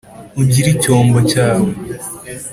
ungire icyombo cyawe